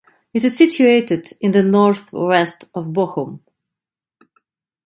It is situated in the North West of Bochum.